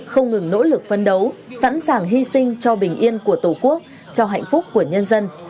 không ngừng nỗ lực phân đấu sẵn sàng hy sinh cho bình yên của tổ quốc cho hạnh phúc của nhân dân